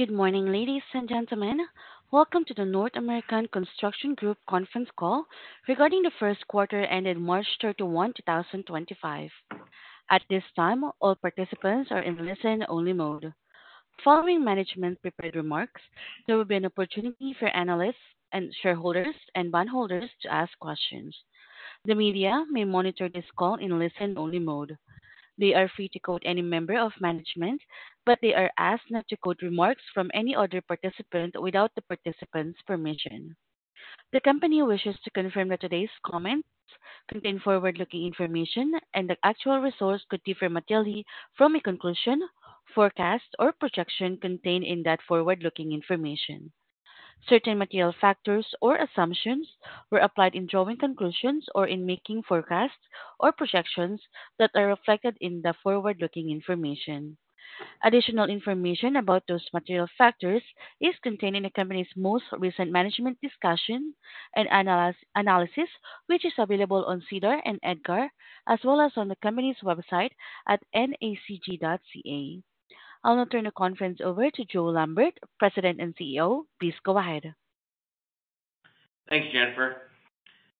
Good morning, ladies and gentlemen. Welcome to the North American Construction Group conference call regarding the first quarter ended March 31, 2025. At this time, all participants are in listen-only mode. Following management-prepared remarks, there will be an opportunity for analysts, shareholders, and bondholders to ask questions. The media may monitor this call in listen-only mode. They are free to quote any member of management, but they are asked not to quote remarks from any other participant without the participant's permission. The company wishes to confirm that today's comments contain forward-looking information and that actual results could differ materially from a conclusion, forecast, or projection contained in that forward-looking information. Certain material factors or assumptions were applied in drawing conclusions or in making forecasts or projections that are reflected in the forward-looking information. Additional information about those material factors is contained in the company's most recent management discussion and analysis, which is available on SEDAR and EDGAR, as well as on the company's website at nacg.ca. I'll now turn the conference over to Joe Lambert, President and CEO. Please go ahead. Thanks, Jennifer.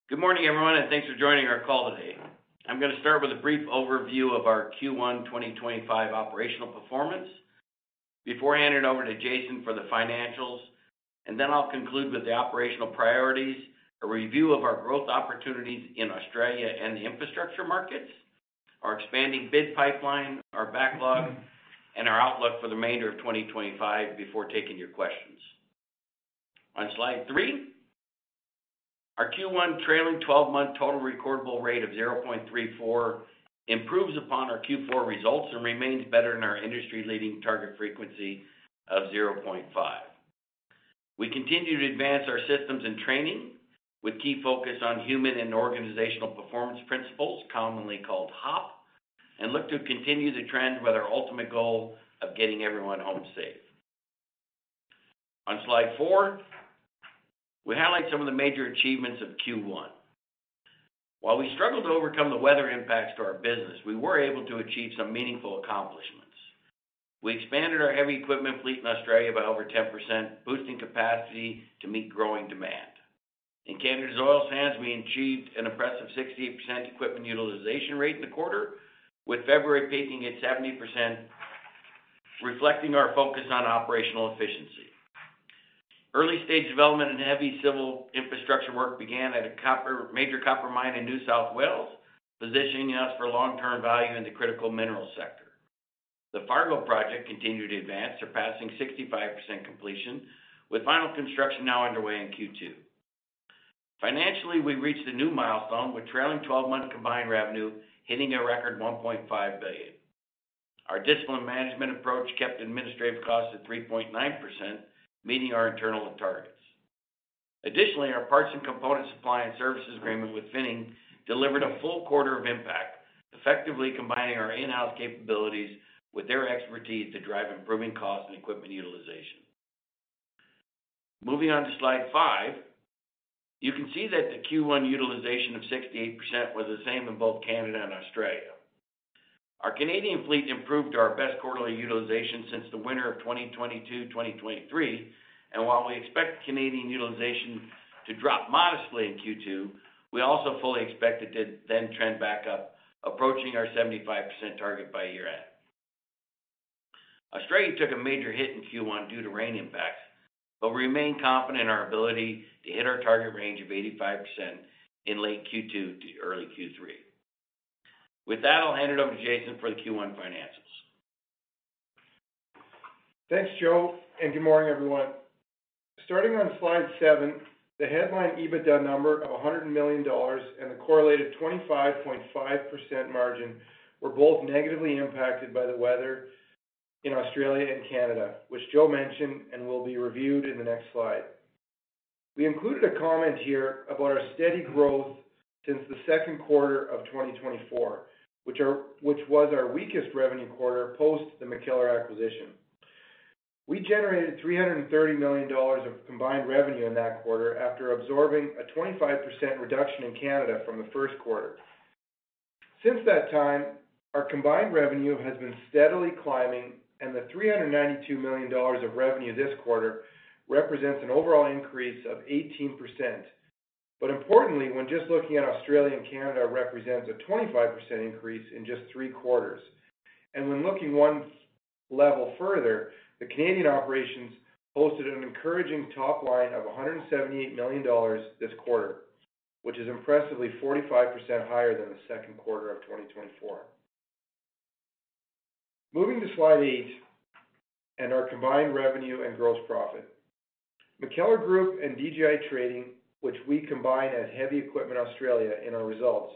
Good morning, everyone, and thanks for joining our call today. I'm going to start with a brief overview of our Q1 2025 operational performance. Before, I'll hand it over to Jason for the financials, and then I'll conclude with the operational priorities: a review of our growth opportunities in Australia and the infrastructure markets, our expanding bid pipeline, our backlog, and our outlook for the remainder of 2025 before taking your questions. On slide three, our Q1 trailing 12-month total recordable rate of 0.34 improves upon our Q4 results and remains better than our industry-leading target frequency of 0.5. We continue to advance our systems and training with a key focus on human and organizational performance principles, commonly called HOP, and look to continue to trend with our ultimate goal of getting everyone home safe. On slide four, we highlight some of the major achievements of Q1. While we struggled to overcome the weather impacts to our business, we were able to achieve some meaningful accomplishments. We expanded our heavy equipment fleet in Australia by over 10%, boosting capacity to meet growing demand. In Canada's oil sands, we achieved an impressive 68% equipment utilization rate in the quarter, with February peaking at 70%, reflecting our focus on operational efficiency. Early-stage development and heavy civil infrastructure work began at a major copper mine in New South Wales, positioning us for long-term value in the critical mineral sector. The Fargo project continued to advance, surpassing 65% completion, with final construction now underway in Q2. Financially, we reached a new milestone, with trailing 12-month combined revenue hitting a record $1.5 billion. Our discipline management approach kept administrative costs at 3.9%, meeting our internal targets. Additionally, our parts and components supply and services agreement with Finning delivered a full quarter of impact, effectively combining our in-house capabilities with their expertise to drive improving costs and equipment utilization. Moving on to slide five, you can see that the Q1 utilization of 68% was the same in both Canada and Australia. Our Canadian fleet improved our best quarterly utilization since the winter of 2022-2023, and while we expect Canadian utilization to drop modestly in Q2, we also fully expect it to then trend back up, approaching our 75% target by year-end. Australia took a major hit in Q1 due to rain impacts, but we remain confident in our ability to hit our target range of 85% in late Q2 to early Q3. With that, I'll hand it over to Jason for the Q1 financials. Thanks, Joe, and good morning, everyone. Starting on slide seven, the headline EBITDA number of $100 million and the correlated 25.5% margin were both negatively impacted by the weather in Australia and Canada, which Joe mentioned and will be reviewed in the next slide. We included a comment here about our steady growth since the second quarter of 2024, which was our weakest revenue quarter post the MacKellar acquisition. We generated $330 million of combined revenue in that quarter after absorbing a 25% reduction in Canada from the first quarter. Since that time, our combined revenue has been steadily climbing, and the $392 million of revenue this quarter represents an overall increase of 18%. Importantly, when just looking at Australia and Canada, it represents a 25% increase in just three quarters. When looking one level further, the Canadian operations posted an encouraging top line of $178 million this quarter, which is impressively 45% higher than the second quarter of 2024. Moving to slide eight and our combined revenue and gross profit. MacKellar Group and DGI Trading, which we combine as Heavy Equipment Australia in our results,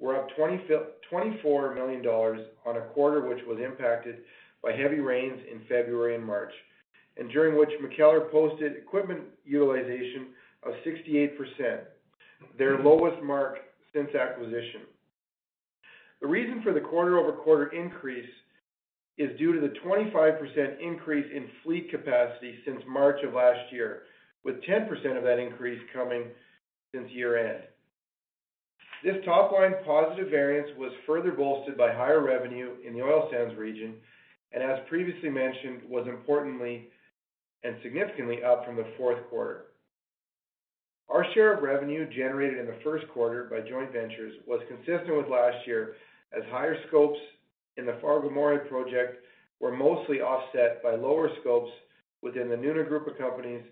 were up $24 million on a quarter which was impacted by heavy rains in February and March, and during which MacKellar posted equipment utilization of 68%, their lowest mark since acquisition. The reason for the quarter-over-quarter increase is due to the 25% increase in fleet capacity since March of last year, with 10% of that increase coming since year-end. This top line positive variance was further bolstered by higher revenue in the oil sands region and, as previously mentioned, was importantly and significantly up from the fourth quarter. Our share of revenue generated in the first quarter by joint ventures was consistent with last year, as higher scopes in the Fargo-Moorhead project were mostly offset by lower scopes within the Nuna Group of Companies,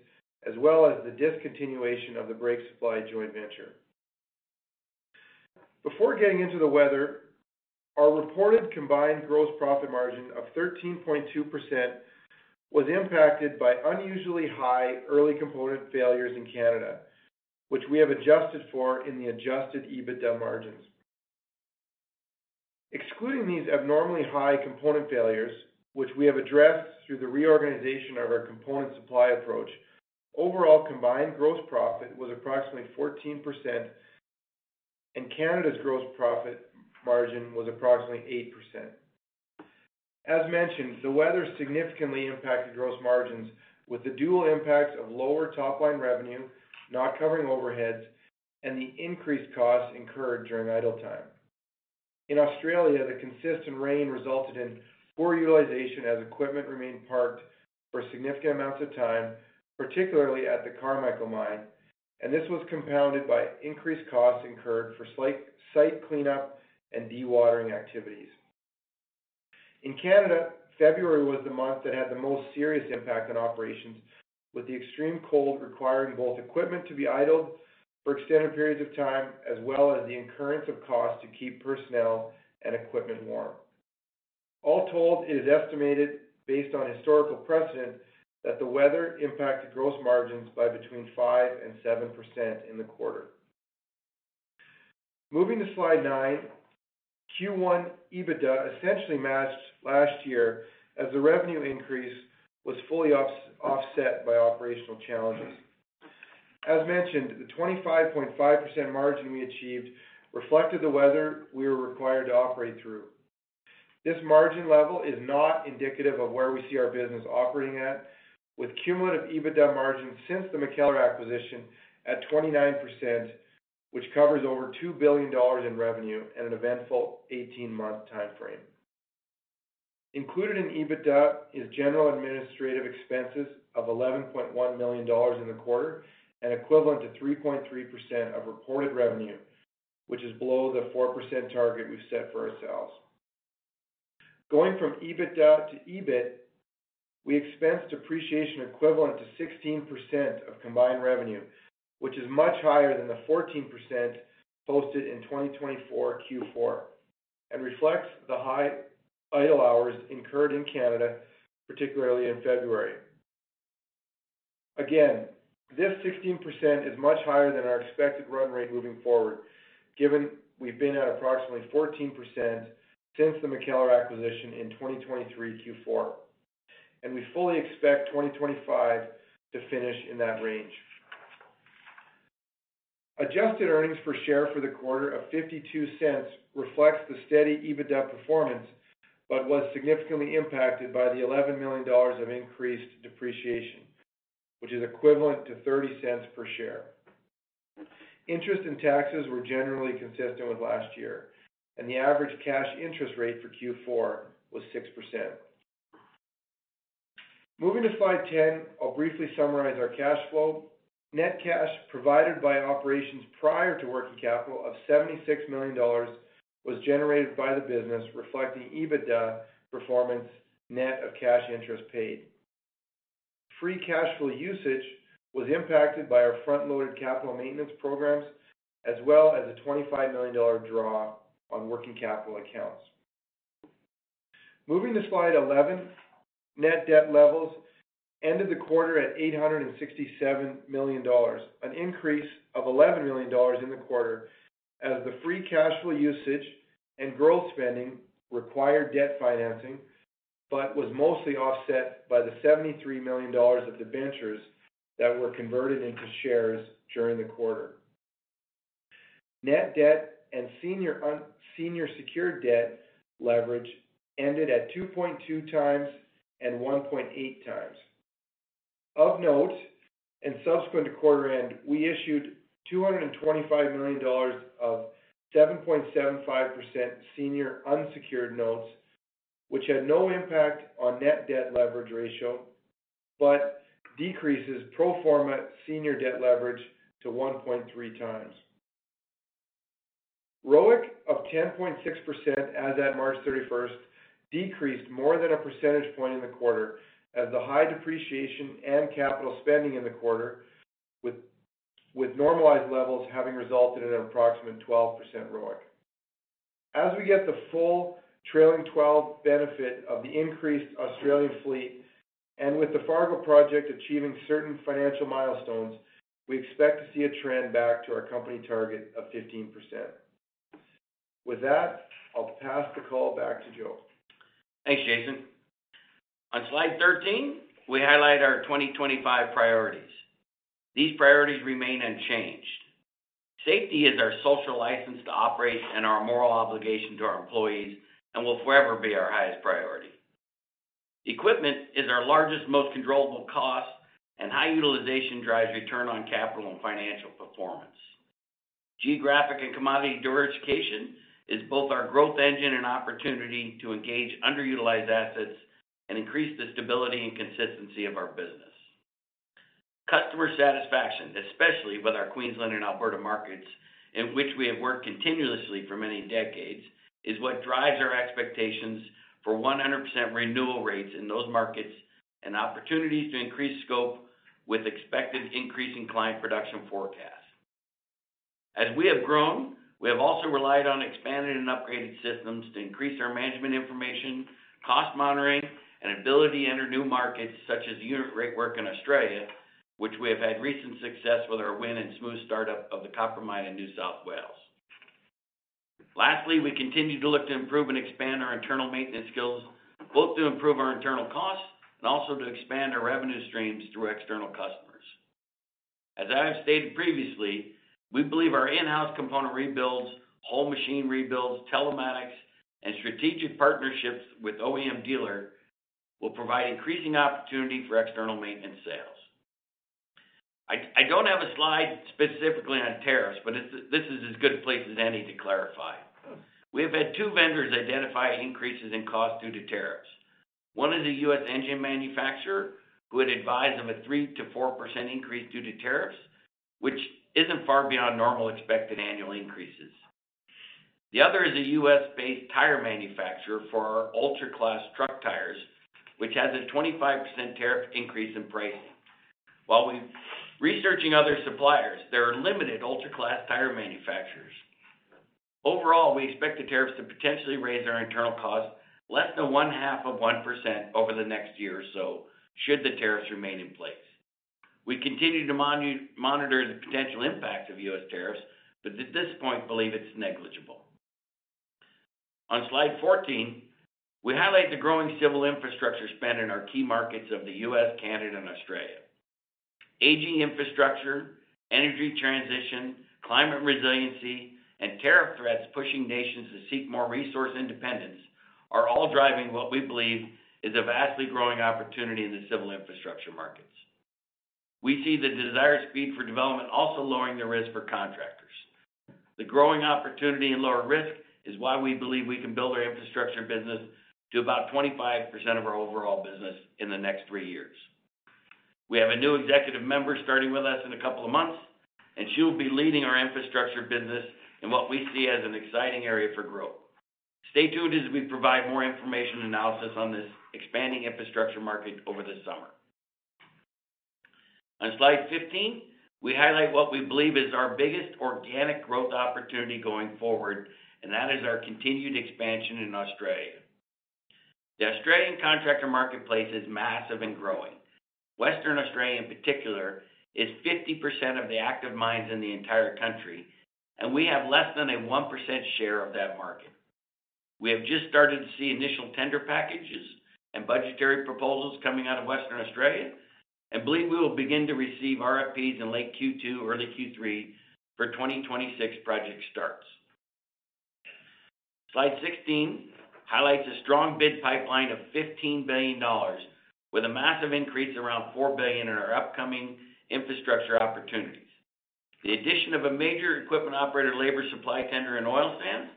as well as the discontinuation of the Brake Supply joint venture. Before getting into the weather, our reported combined gross profit margin of 13.2% was impacted by unusually high early component failures in Canada, which we have adjusted for in the adjusted EBITDA margins. Excluding these abnormally high component failures, which we have addressed through the reorganization of our component supply approach, overall combined gross profit was approximately 14%, and Canada's gross profit margin was approximately 8%. As mentioned, the weather significantly impacted gross margins, with the dual impacts of lower top line revenue not covering overheads and the increased costs incurred during idle time. In Australia, the consistent rain resulted in poor utilization as equipment remained parked for significant amounts of time, particularly at the Carmichael Mine, and this was compounded by increased costs incurred for site cleanup and dewatering activities. In Canada, February was the month that had the most serious impact on operations, with the extreme cold requiring both equipment to be idled for extended periods of time, as well as the incurrence of costs to keep personnel and equipment warm. All told, it is estimated, based on historical precedent, that the weather impacted gross margins by between 5% and 7% in the quarter. Moving to slide nine, Q1 EBITDA essentially matched last year, as the revenue increase was fully offset by operational challenges. As mentioned, the 25.5% margin we achieved reflected the weather we were required to operate through. This margin level is not indicative of where we see our business operating at, with cumulative EBITDA margin since the MacKellar acquisition at 29%, which covers over $2 billion in revenue in an eventful 18-month timeframe. Included in EBITDA is general administrative expenses of $1.1 million in the quarter, an equivalent to 3.3% of reported revenue, which is below the 4% target we have set for ourselves. Going from EBITDA to EBIT, we expense depreciation equivalent to 16% of combined revenue, which is much higher than the 14% posted in 2024 Q4 and reflects the high idle hours incurred in Canada, particularly in February. Again, this 16% is much higher than our expected run rate moving forward, given we have been at approximately 14% since the MacKellar acquisition in 2023 Q4, and we fully expect 2025 to finish in that range. Adjusted earnings per share for the quarter of $0.52 reflects the steady EBITDA performance but was significantly impacted by the $11 million of increased depreciation, which is equivalent to $0.30 per share. Interest and taxes were generally consistent with last year, and the average cash interest rate for Q4 was 6%. Moving to slide 10, I'll briefly summarize our cash flow. Net cash provided by operations prior to working capital of $76 million was generated by the business, reflecting EBITDA performance net of cash interest paid. Free cash flow usage was impacted by our front-loaded capital maintenance programs, as well as a $25 million draw on working capital accounts. Moving to slide 11, net debt levels ended the quarter at $867 million, an increase of $11 million in the quarter, as the free cash flow usage and growth spending required debt financing but was mostly offset by the $73 million of the ventures that were converted into shares during the quarter. Net debt and senior secured debt leverage ended at 2.2 times and 1.8 times. Of note, in subsequent to quarter end, we issued $225 million of 7.75% senior unsecured notes, which had no impact on net debt leverage ratio but decreases pro forma senior debt leverage to 1.3 times. ROIC of 10.6% as at March 31st decreased more than a percentage point in the quarter, as the high depreciation and capital spending in the quarter, with normalized levels having resulted in an approximate 12% ROIC. As we get the full trailing 12 benefit of the increased Australian fleet and with the Fargo project achieving certain financial milestones, we expect to see a trend back to our company target of 15%. With that, I'll pass the call back to Joe. Thanks, Jason. On slide 13, we highlight our 2025 priorities. These priorities remain unchanged. Safety is our social license to operate and our moral obligation to our employees and will forever be our highest priority. Equipment is our largest, most controllable cost, and high utilization drives return on capital and financial performance. Geographic and commodity diversification is both our growth engine and opportunity to engage underutilized assets and increase the stability and consistency of our business. Customer satisfaction, especially with our Queensland and Alberta markets, in which we have worked continuously for many decades, is what drives our expectations for 100% renewal rates in those markets and opportunities to increase scope with expected increase in client production forecasts. As we have grown, we have also relied on expanded and upgraded systems to increase our management information, cost monitoring, and ability to enter new markets, such as unit rate work in Australia, which we have had recent success with our win and smooth startup of the copper mine in New South Wales. Lastly, we continue to look to improve and expand our internal maintenance skills, both to improve our internal costs and also to expand our revenue streams through external customers. As I have stated previously, we believe our in-house component rebuilds, whole machine rebuilds, telematics, and strategic partnerships with OEM Dealer will provide increasing opportunity for external maintenance sales. I do not have a slide specifically on tariffs, but this is as good a place as any to clarify. We have had two vendors identify increases in cost due to tariffs. One is a U.S. engine manufacturer who had advised of a 3%-4% increase due to tariffs, which isn't far beyond normal expected annual increases. The other is a U.S.-based tire manufacturer for our ultra-class truck tires, which has a 25% tariff increase in price. While we're researching other suppliers, there are limited ultra-class tire manufacturers. Overall, we expect the tariffs to potentially raise our internal costs less than one half of 1% over the next year or so should the tariffs remain in place. We continue to monitor the potential impacts of U.S. tariffs, but at this point, believe it's negligible. On slide 14, we highlight the growing civil infrastructure spend in our key markets of the U.S., Canada, and Australia. Aging infrastructure, energy transition, climate resiliency, and tariff threats pushing nations to seek more resource independence are all driving what we believe is a vastly growing opportunity in the civil infrastructure markets. We see the desired speed for development also lowering the risk for contractors. The growing opportunity and lower risk is why we believe we can build our infrastructure business to about 25% of our overall business in the next three years. We have a new executive member starting with us in a couple of months, and she will be leading our infrastructure business in what we see as an exciting area for growth. Stay tuned as we provide more information and analysis on this expanding infrastructure market over the summer. On slide 15, we highlight what we believe is our biggest organic growth opportunity going forward, and that is our continued expansion in Australia. The Australian contractor marketplace is massive and growing. Western Australia, in particular, is 50% of the active mines in the entire country, and we have less than a 1% share of that market. We have just started to see initial tender packages and budgetary proposals coming out of Western Australia and believe we will begin to receive RFPs in late Q2, early Q3 for 2026 project starts. Slide 16 highlights a strong bid pipeline of $15 billion, with a massive increase around $4 billion in our upcoming infrastructure opportunities. The addition of a major equipment operator labor supply tender in oil sands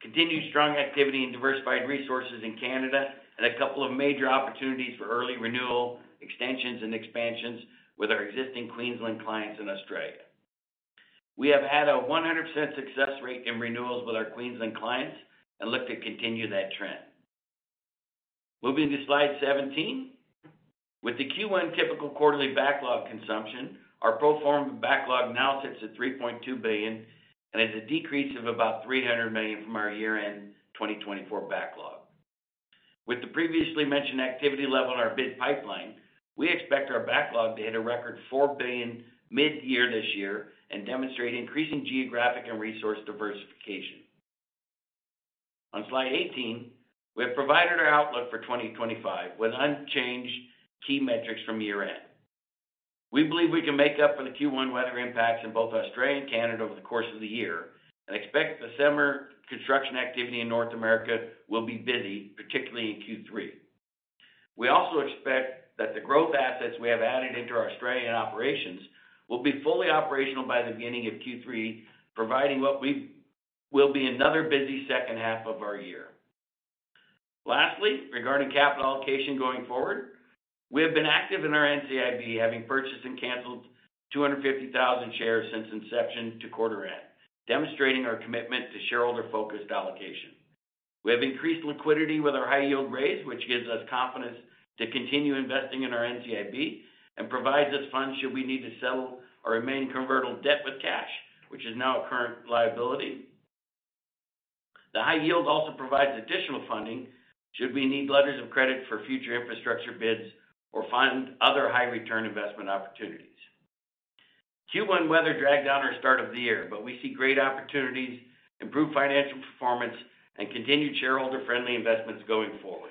continues strong activity and diversified resources in Canada and a couple of major opportunities for early renewal extensions and expansions with our existing Queensland clients in Australia. We have had a 100% success rate in renewals with our Queensland clients and look to continue that trend. Moving to slide 17, with the Q1 typical quarterly backlog consumption, our pro forma backlog now sits at $3.2 billion and is a decrease of about $300 million from our year-end 2024 backlog. With the previously mentioned activity level in our bid pipeline, we expect our backlog to hit a record $4 billion mid-year this year and demonstrate increasing geographic and resource diversification. On slide 18, we have provided our outlook for 2025 with unchanged key metrics from year-end. We believe we can make up for the Q1 weather impacts in both Australia and Canada over the course of the year and expect the summer construction activity in North America will be busy, particularly in Q3. We also expect that the growth assets we have added into our Australian operations will be fully operational by the beginning of Q3, providing what will be another busy second half of our year. Lastly, regarding capital allocation going forward, we have been active in our NCIB, having purchased and canceled 250,000 shares since inception to quarter end, demonstrating our commitment to shareholder-focused allocation. We have increased liquidity with our high-yield raise, which gives us confidence to continue investing in our NCIB and provides us funds should we need to settle or remain convertible debt with cash, which is now a current liability. The high yield also provides additional funding should we need letters of credit for future infrastructure bids or find other high-return investment opportunities. Q1 weather dragged down our start of the year, but we see great opportunities, improved financial performance, and continued shareholder-friendly investments going forward.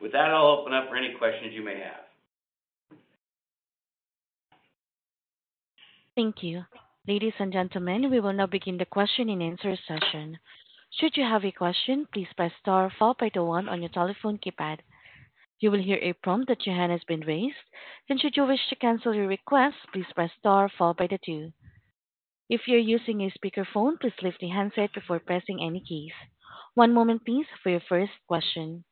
With that, I'll open up for any questions you may have. Thank you. Ladies and gentlemen, we will now begin the question and answer session. Should you have a question, please press star followed by the one on your telephone keypad. You will hear a prompt that your hand has been raised, and should you wish to cancel your request, please press star followed by the two. If you're using a speakerphone, please lift the handset before pressing any keys. One moment, please, for your first question.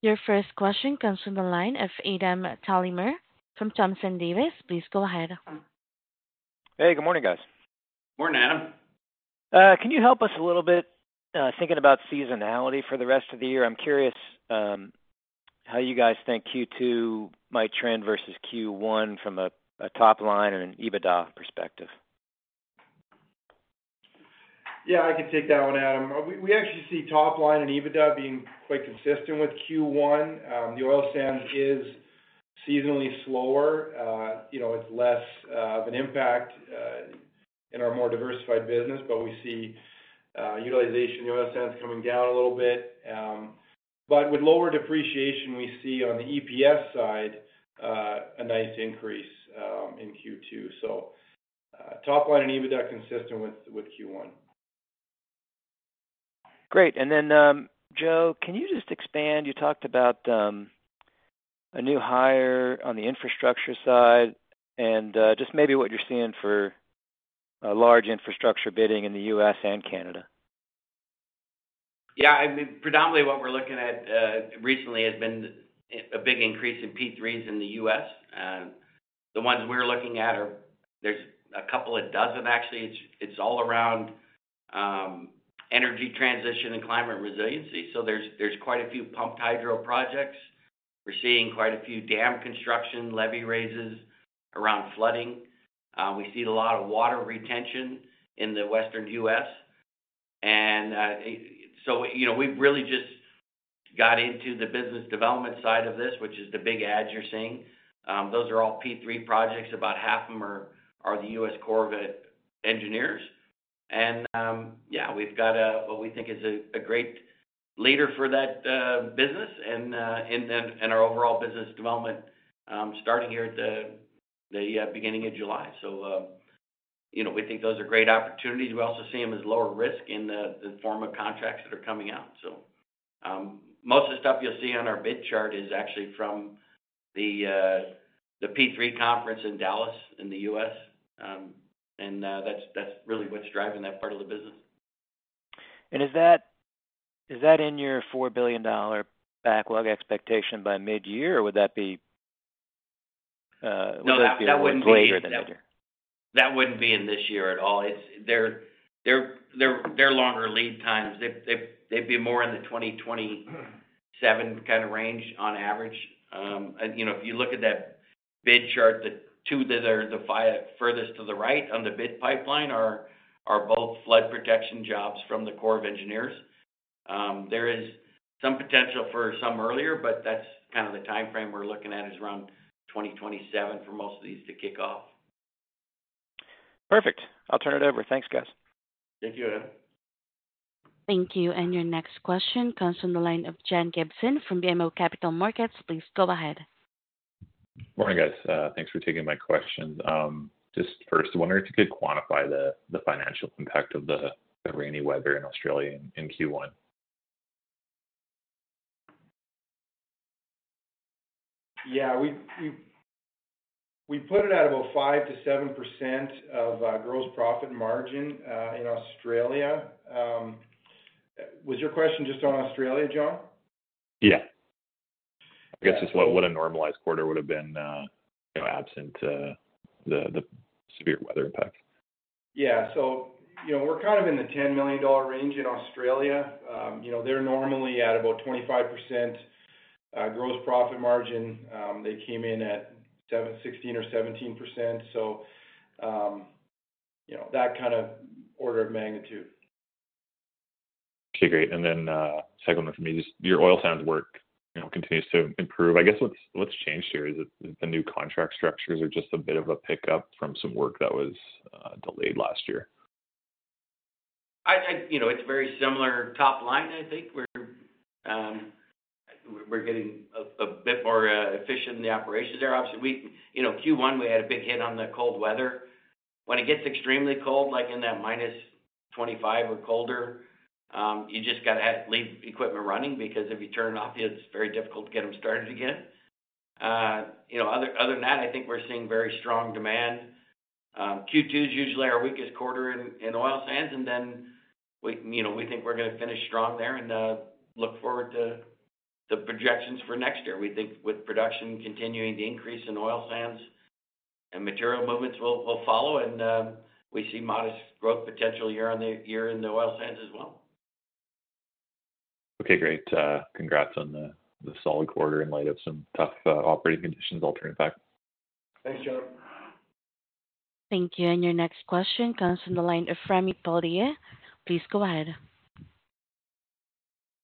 Your first question comes from the line of Adam Thalhimer from Thompson Davis. Please go ahead. Hey, good morning, guys. Morning, Adam. Can you help us a little bit, thinking about seasonality for the rest of the year? I'm curious, how you guys think Q2 might trend versus Q1 from a top-line and an EBITDA perspective. Yeah, I can take that one, Adam. We actually see top-line and EBITDA being quite consistent with Q1. The oil sands is seasonally slower. You know, it's less of an impact in our more diversified business, but we see utilization of the oil sands coming down a little bit. But with lower depreciation, we see on the EPS side a nice increase in Q2. Top-line and EBITDA consistent with Q1. Great. Joe, can you just expand? You talked about a new hire on the infrastructure side and just maybe what you're seeing for large infrastructure bidding in the U.S. and Canada. Yeah, I mean, predominantly what we're looking at recently has been a big increase in P3s in the U.S. The ones we're looking at are, there's a couple of dozen, actually. It's all around energy transition and climate resiliency. So there's quite a few pumped hydro projects. We're seeing quite a few dam construction levee raises around flooding. We see a lot of water retention in the Western U.S. And, you know, we've really just got into the business development side of this, which is the big ad you're seeing. Those are all P3 projects. About half of them are the U.S. Corps of Engineers. And, yeah, we've got what we think is a great leader for that business and our overall business development, starting here at the beginning of July. You know, we think those are great opportunities. We also see them as lower risk in the form of contracts that are coming out. Most of the stuff you'll see on our bid chart is actually from the P3 conference in Dallas in the U.S., and that's really what's driving that part of the business. Is that in your $4 billion backlog expectation by mid-year, or would that be later this year? No, that wouldn't be in mid-year. That wouldn't be in this year at all. It's their longer lead times. They'd be more in the 2027 kind of range on average. And, you know, if you look at that bid chart, the two that are the furthest to the right on the bid pipeline are both flood protection jobs from the Corps of Engineers. There is some potential for some earlier, but that's kind of the time frame we're looking at is around 2027 for most of these to kick off. Perfect. I'll turn it over. Thanks, guys. Thank you, Adam. Thank you. Your next question comes from the line of John Gibson from BMO Capital Markets. Please go ahead. Morning, guys. Thanks for taking my questions. Just first, I wonder if you could quantify the financial impact of the rainy weather in Australia in Q1. Yeah, we put it at about 5%-7% of gross profit margin in Australia. Was your question just on Australia, John? Yeah. I guess just what a normalized quarter would have been, you know, absent the severe weather impact. Yeah. So, you know, we're kind of in the $10 million range in Australia. You know, they're normally at about 25% gross profit margin. They came in at 16% or 17%. So, you know, that kind of order of magnitude. Okay, great. And then, second one for me, just your oil sands work, you know, continues to improve. I guess what's what's changed here is that the new contract structures are just a bit of a pickup from some work that was, delayed last year. You know, it's very similar top-line. I think we're getting a bit more efficient in the operations there. Obviously, Q1, we had a big hit on the cold weather. When it gets extremely cold, like in that minus 25 degrees Celsius or colder, you just got to leave equipment running because if you turn it off, it's very difficult to get them started again. You know, other than that, I think we're seeing very strong demand. Q2 is usually our weakest quarter in oil sands, and then we think we're going to finish strong there and look forward to the projections for next year. We think with production continuing to increase in oil sands and material movements, we'll follow, and we see modest growth potential year on year in the oil sands as well. Okay, great. Congrats on the solid quarter in light of some tough operating conditions, alternate factor. Thanks, John. Thank you. Your next question comes from the line of Rami Podia. Please go ahead.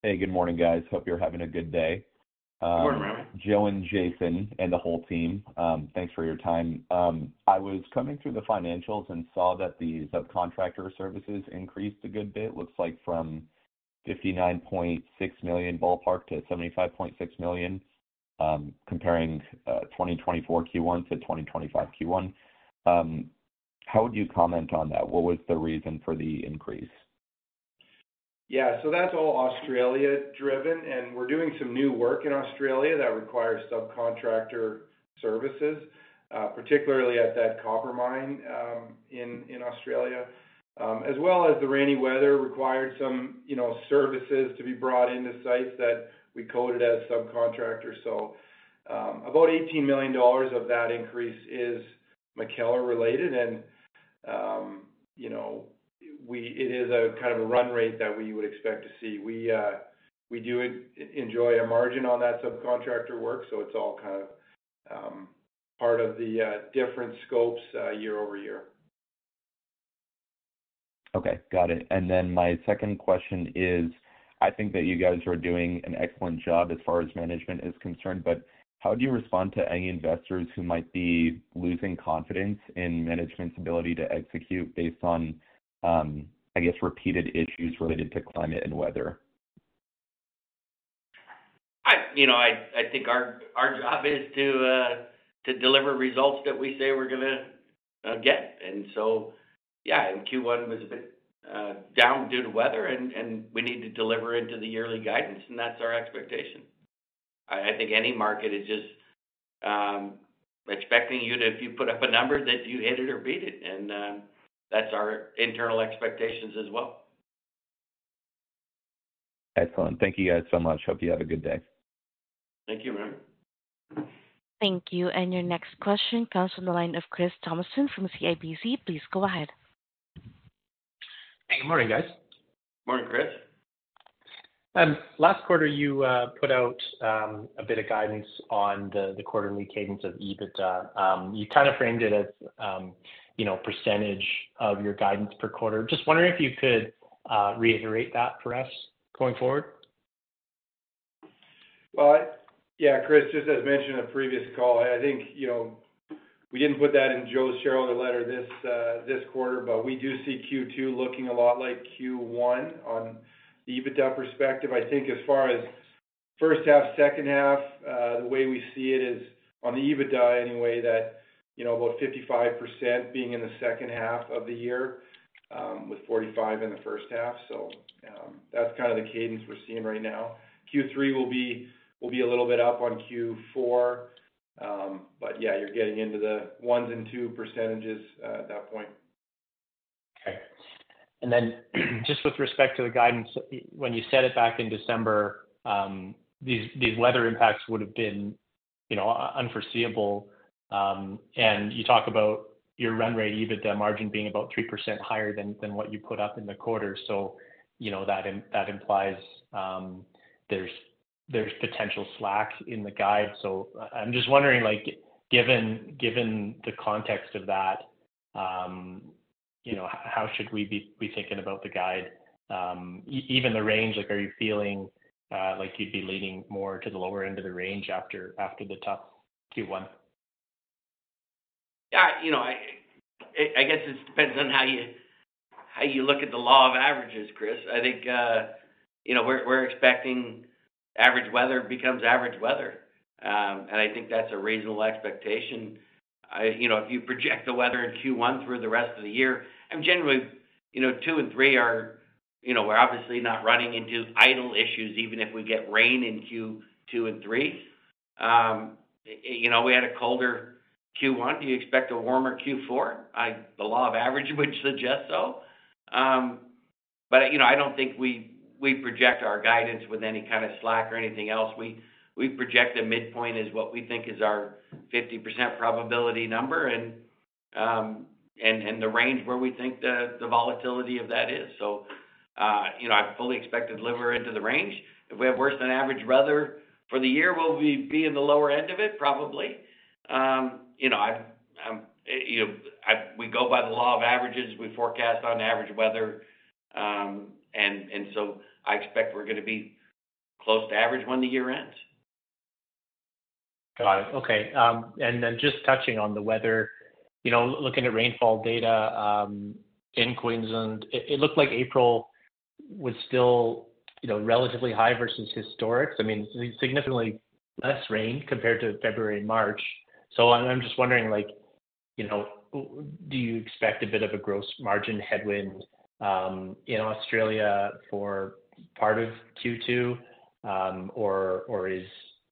Hey, good morning, guys. Hope you're having a good day. Joe and Jason and the whole team, thanks for your time. I was coming through the financials and saw that the subcontractor services increased a good bit. Looks like from $59.6 million ballpark to $75.6 million, comparing 2024 Q1 to 2025 Q1. How would you comment on that? What was the reason for the increase? Yeah, so that's all Australia-driven, and we're doing some new work in Australia that requires subcontractor services, particularly at that copper mine in Australia, as well as the rainy weather required some, you know, services to be brought into sites that we coded as subcontractor. About $18 million of that increase is MacKellar related, and, you know, it is a kind of a run rate that we would expect to see. We do enjoy a margin on that subcontractor work, so it's all kind of part of the different scopes, year-over-year. Okay, got it. My second question is, I think that you guys are doing an excellent job as far as management is concerned, but how do you respond to any investors who might be losing confidence in management's ability to execute based on, I guess, repeated issues related to climate and weather? I, you know, I think our job is to deliver results that we say we're going to get. Yeah, in Q1 was a bit down due to weather, and we need to deliver into the yearly guidance, and that's our expectation. I think any market is just expecting you to, if you put up a number, that you hit it or beat it. That's our internal expectations as well. Excellent. Thank you guys so much. Hope you have a good day. Thank you, Rami. Thank you. Your next question comes from the line of Chris Thompson from CIBC. Please go ahead. Hey, good morning, guys. Morning, Chris. Last quarter, you put out a bit of guidance on the quarterly cadence of EBITDA. You kind of framed it as, you know, percentage of your guidance per quarter. Just wondering if you could reiterate that for us going forward. Yeah, Chris, just as mentioned in a previous call, I think, you know, we didn't put that in Joe's shareholder letter this quarter, but we do see Q2 looking a lot like Q1 on the EBITDA perspective. I think as far as first half, second half, the way we see it is on the EBITDA anyway, that, you know, about 55% being in the second half of the year, with 45% in the first half. That's kind of the cadence we're seeing right now. Q3 will be a little bit up on Q4, but yeah, you're getting into the ones and two percentages at that point. Okay. And then just with respect to the guidance, when you set it back in December, these weather impacts would have been, you know, unforeseeable. You talk about your run rate EBITDA margin being about 3% higher than what you put up in the quarter. You know, that implies there's potential slack in the guide. I'm just wondering, given the context of that, you know, how should we be thinking about the guide? Even the range, are you feeling like you'd be leaning more to the lower end of the range after the tough Q1? Yeah, you know, I guess it depends on how you look at the law of averages, Chris. I think, you know, we're expecting average weather becomes average weather. I think that's a reasonable expectation. I, you know, if you project the weather in Q1 through the rest of the year, I'm generally, you know, two and three are, you know, we're obviously not running into idle issues even if we get rain in Q2 and Q3. You know, we had a colder Q1. Do you expect a warmer Q4? The law of average would suggest so. You know, I don't think we project our guidance with any kind of slack or anything else. We project the midpoint is what we think is our 50% probability number and the range where we think the volatility of that is. You know, I fully expect to deliver into the range. If we have worse than average weather for the year, we'll be in the lower end of it, probably. You know, I, you know, we go by the law of averages. We forecast on average weather, and so I expect we're going to be close to average when the year ends. Got it. Okay. And then just touching on the weather, you know, looking at rainfall data, in Queensland, it looked like April was still, you know, relatively high versus historics. I mean, significantly less rain compared to February and March. So I'm just wondering, like, you know, do you expect a bit of a gross margin headwind, in Australia for part of Q2, or is,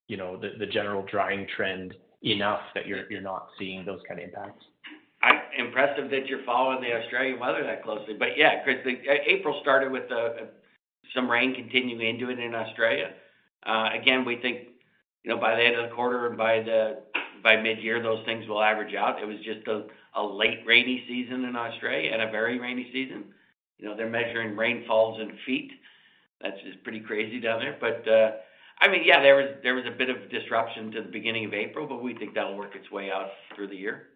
you know, the general drying trend enough that you're not seeing those kind of impacts? I'm impressed that you're following the Australian weather that closely. Yeah, Chris, April started with some rain continuing into it in Australia. Again, we think, you know, by the end of the quarter and by mid-year, those things will average out. It was just a late rainy season in Australia and a very rainy season. You know, they're measuring rainfalls in feet. That's just pretty crazy down there. I mean, yeah, there was a bit of disruption to the beginning of April, but we think that'll work its way out through the year.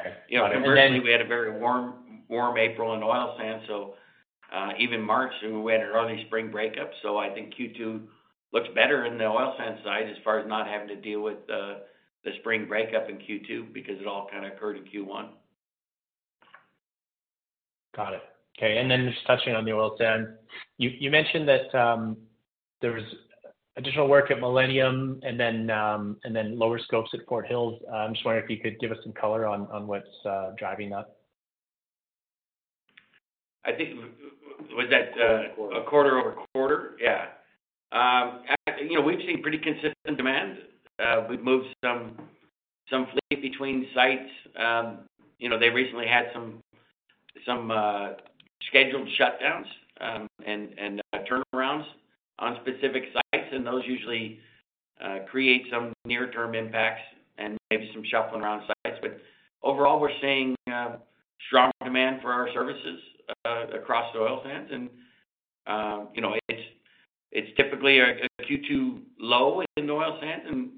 Okay. You know, and eventually, we had a very warm April in oil sands. Even March, we had an early spring breakup. I think Q2 looks better in the oil sands side as far as not having to deal with the spring breakup in Q2 because it all kind of occurred in Q1. Got it. Okay. And then just touching on the oil sands, you mentioned that there was additional work at Millennium and then lower scopes at Fort Hills. I'm just wondering if you could give us some color on what's driving that. I think, was that a quarter-over-quarter? Yeah. You know, we've seen pretty consistent demand. We've moved some fleet between sites. You know, they recently had some scheduled shutdowns and turnarounds on specific sites, and those usually create some near-term impacts and maybe some shuffling around sites. Overall, we're seeing strong demand for our services across the oil sands. You know, it's typically a Q2 low in the oil sands, and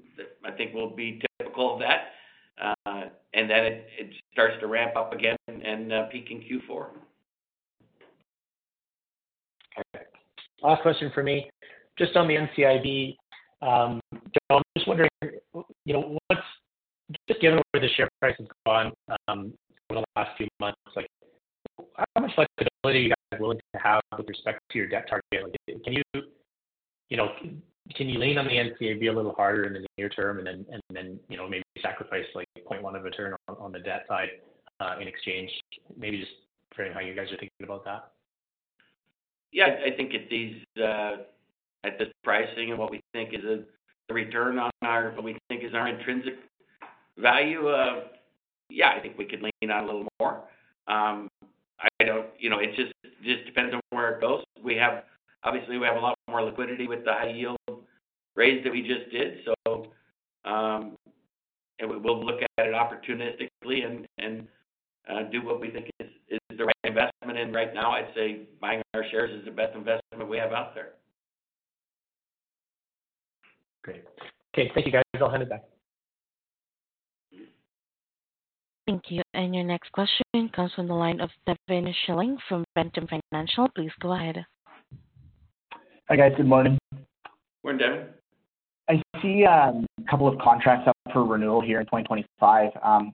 I think we'll be typical of that, and then it starts to ramp up again and peak in Q4. Okay. Last question for me. Just on the NCIB, Joe, I'm just wondering, you know, what's just given where the share price has gone over the last few months, like, how much flexibility are you guys willing to have with respect to your debt target? Like, can you, you know, can you lean on the NCIB a little harder in the near term and then, you know, maybe sacrifice, like, 0.1 of a turn on the debt side, in exchange? Maybe just figuring how you guys are thinking about that. Yeah, I think it's these, at the pricing and what we think is the return on our, what we think is our intrinsic value, yeah, I think we could lean on a little more. I don't, you know, it just depends on where it goes. We have, obviously, we have a lot more liquidity with the high-yield raise that we just did. We'll look at it opportunistically and do what we think is the right investment. Right now, I'd say buying our shares is the best investment we have out there. Great. Okay. Thank you, guys. I'll hand it back. Thank you. Your next question comes from the line of Devin Schilling from Ventum Financial. Please go ahead. Hi, guys. Good morning. Morning, Devin. I see, a couple of contracts up for renewal here in 2025.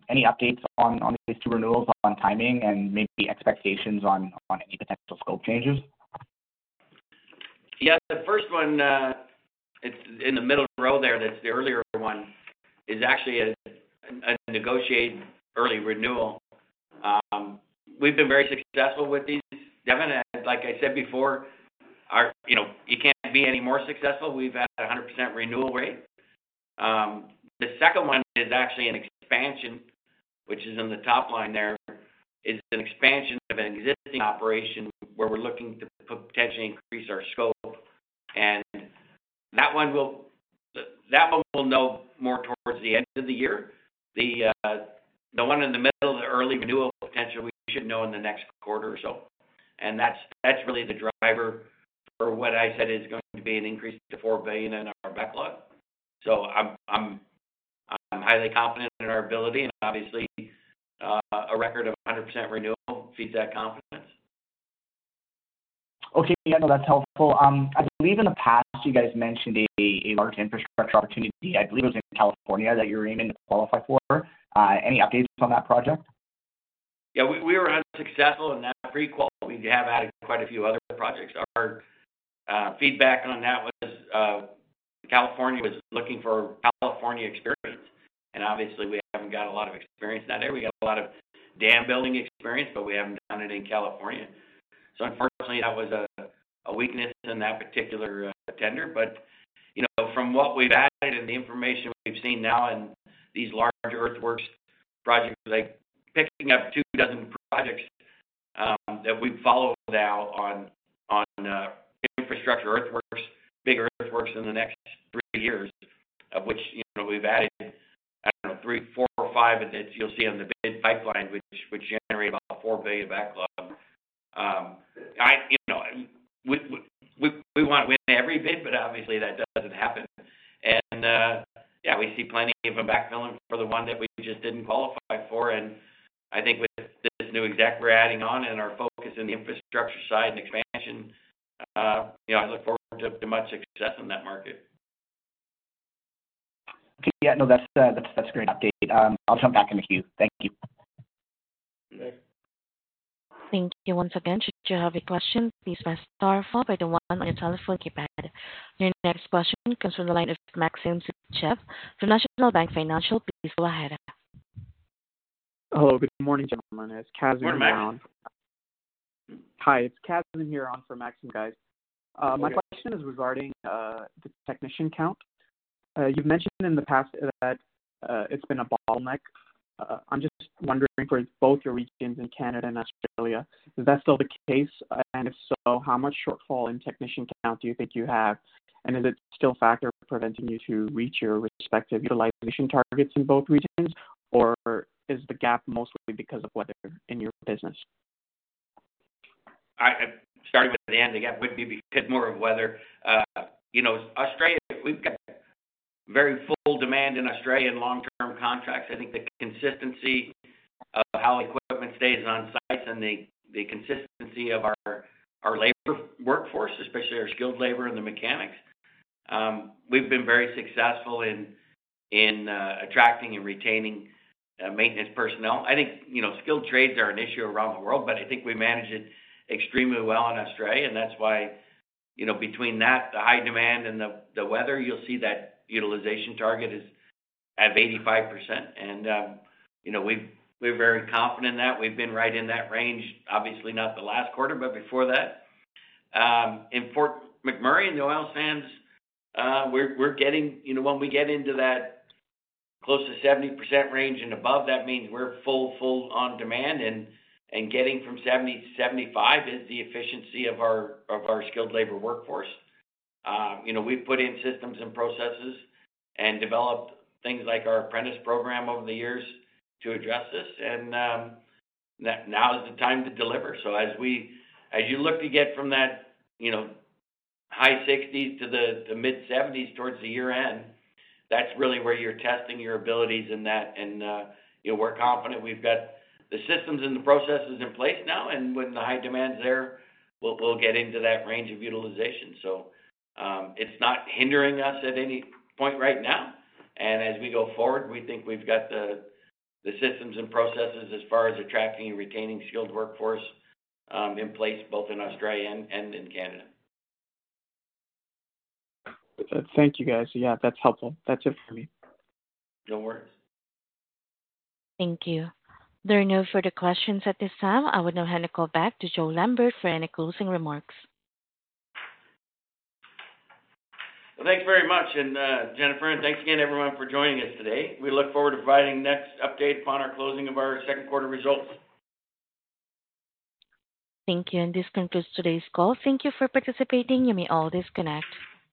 Any updates on these two renewals on timing and maybe expectations on any potential scope changes? Yeah, the first one, it's in the middle row there. That's the earlier one, is actually a negotiated early renewal. We've been very successful with these. Devin, like I said before, our, you know, you can't be any more successful. We've had a 100% renewal rate. The second one is actually an expansion, which is in the top line there, is an expansion of an existing operation where we're looking to potentially increase our scope. That one, we'll know more towards the end of the year. The one in the middle, the early renewal potential, we should know in the next quarter or so. That's really the driver for what I said is going to be an increase to $4 billion in our backlog. I'm highly confident in our ability. Obviously, a record of 100% renewal feeds that confidence. Okay. Yeah, no, that's helpful. I believe in the past, you guys mentioned a large infrastructure opportunity. I believe it was in California that you were aiming to qualify for. Any updates on that project? Yeah, we were unsuccessful in that prequal, but we have had quite a few other projects. Our feedback on that was, California was looking for California experience. And obviously, we have not got a lot of experience in that area. We have got a lot of dam building experience, but we have not done it in California. Unfortunately, that was a weakness in that particular tender. You know, from what we have added and the information we have seen now in these large earthworks projects, like picking up two dozen projects that we follow now on infrastructure earthworks, bigger earthworks in the next three years, of which, you know, we have added, I do not know, three, four, or five that you will see on the bid pipeline, which would generate about $4 billion backlog. I, you know, we want to win every bid, but obviously, that does not happen. Yeah, we see plenty of backfilling for the one that we just did not qualify for. I think with this new exec we are adding on and our focus in the infrastructure side and expansion, you know, I look forward to much success in that market. Okay. Yeah, no, that's a great update. I'll jump back in the queue. Thank you. Thank you once again. Should you have any questions, please press star one on your telephone keypad. Your next question comes from the line of Maxim Sytchev from National Bank Financial. Please go ahead. Hello. Good morning, gentlemen. It's Kevin here on. Hi. It's Casvin here on for Maxim, guys. My question is regarding the technician count. You've mentioned in the past that it's been a bottleneck. I'm just wondering for both your regions in Canada and Australia, is that still the case? If so, how much shortfall in technician count do you think you have? Is it still a factor preventing you to reach your respective utilization targets in both regions, or is the gap mostly because of weather in your business? Starting with the end, the gap would be because more of weather. You know, Australia, we've got very full demand in Australia in long-term contracts. I think the consistency of how equipment stays on sites and the consistency of our labor workforce, especially our skilled labor and the mechanics, we've been very successful in attracting and retaining maintenance personnel. I think, you know, skilled trades are an issue around the world, but I think we manage it extremely well in Australia. That is why, you know, between that, the high demand and the weather, you'll see that utilization target is at 85%. You know, we're very confident in that. We've been right in that range, obviously not the last quarter, but before that. In Fort McMurray in the oil sands, we're getting, you know, when we get into that close to 70% range and above, that means we're full on demand. Getting from 70%-75% is the efficiency of our skilled labor workforce. You know, we've put in systems and processes and developed things like our apprentice program over the years to address this. Now is the time to deliver. As you look to get from that high 60s to the mid-70s towards the year end, that's really where you're testing your abilities in that. You know, we're confident we've got the systems and the processes in place now. When the high demand's there, we'll get into that range of utilization. It's not hindering us at any point right now. As we go forward, we think we've got the systems and processes as far as attracting and retaining skilled workforce in place both in Australia and in Canada. Thank you, guys. Yeah, that's helpful. That's it for me. No worries. Thank you. There are no further questions at this time. I will now hand the call back to Joe Lambert for any closing remarks. Thank you very much, Jennifer, and thanks again, everyone, for joining us today. We look forward to providing the next update upon our closing of our second quarter results. Thank you. This concludes today's call. Thank you for participating. You may all disconnect.